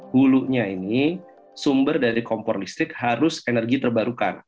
hulunya ini sumber dari kompor listrik harus energi terbarukan